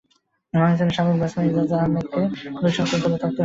পাকিস্তানের সাবেক ব্যাটসম্যান ইজাজ আহমেদকে যেমন দুই সপ্তাহ জেলে থাকতে হয়েছিল।